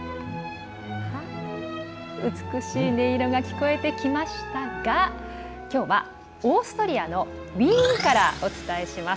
美しい音色が聴こえてきましたがきょうは、オーストリアのウィーンからお伝えします。